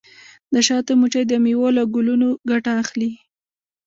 د شاتو مچۍ د میوو له ګلونو ګټه اخلي.